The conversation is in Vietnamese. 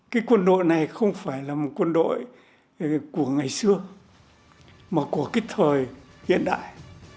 cái quân đội này không phải là một quân đội của ngày xưa mà của cái thời hiện đại